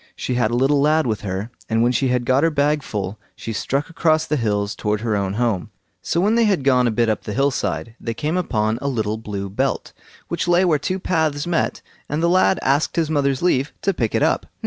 She had a little lad with her, and when she had got her bag full, she struck across the hills towards her own home. So when they had gone a bit up the hill side, they came upon a little blue belt, which lay where two paths met, and the lad asked his mother's leave to pick it up.